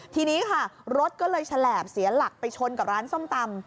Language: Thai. ทีนี้ค่ะรถก็เลยฉลาบเสียหลักไปชนกับร้านส้มตำ